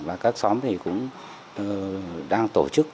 và các xóm thì cũng đang tổ chức